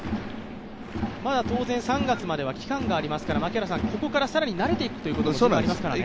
まだ当然３月までは期間がありますから、ここからさらに慣れていくっていうのがありますからね。